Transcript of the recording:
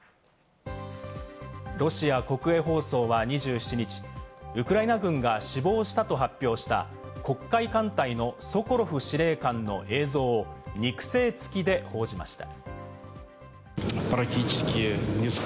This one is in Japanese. ロシア国営放送は２７日、ウクライナ軍が死亡したと発表した黒海艦隊のソコロフ司令官の映像を肉声付きで報じました。